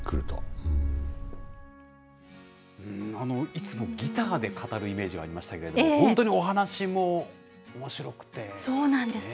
いつもギターで語るイメージがありましたけれども、本当におそうなんです。